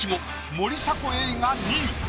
森迫永依が２位。